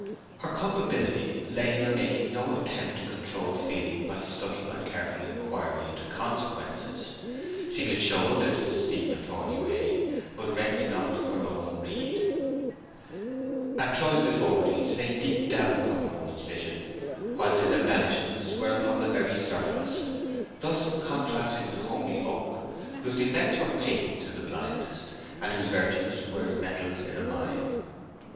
Her culpability lay in her making no attempt to control feeling by subtle and careful inquiry into consequences. She could show others the steep and thorny way, but "reck'd not her own rede." And Troy's deformities lay deep down from a woman's vision, whilst his embellishments were upon the very surface; thus contrasting with homely Oak, whose defects were patent to the blindest, and whose virtues were as metals in a mine.